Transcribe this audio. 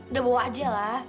udah bawa aja lah